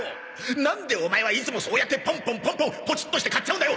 なんでオマエはいつもそうやってポンポンポンポンポチッとして買っちゃうんだよ！